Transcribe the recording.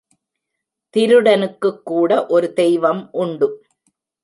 திருடனுக்குக் கூட ஒரு தெய்வம் உண்டு.